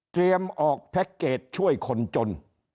ออกแพ็คเกจช่วยคนจน